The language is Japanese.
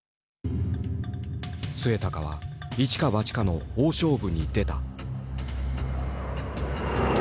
末高は一か八かの大勝負に出た。